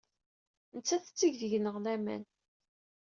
Nettat tetteg deg-neɣ laman.